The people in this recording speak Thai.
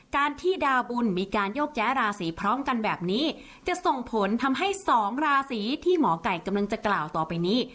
การที่ดาวบุญมีการโยกย้ายราศีพร้อมกันแบบนี้จะส่งผลทำให้สองราศีที่หมอไก่กำลังจะกล่าวต่อไปนี้